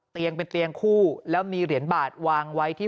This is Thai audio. เตียงเป็นเตียงคู่แล้วมีเหรียญบาทวางไว้ที่